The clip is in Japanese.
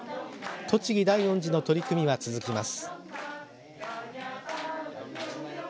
栃木大恩寺の取り組みは続きます。